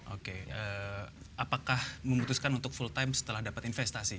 oke apakah memutuskan untuk full time setelah dapat investasi